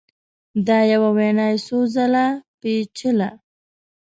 دا یوه وینا یې څو ځله پېچله